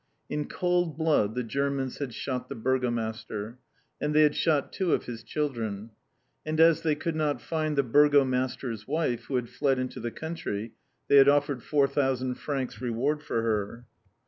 In cold blood, the Germans had shot the Burgomaster. And they had shot two of his children. And as they could not find the Burgomaster's wife, who had fled into the country, they had offered 4,000 francs reward for her.